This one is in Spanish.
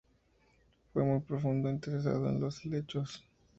Fue un profundo interesado en los helechos.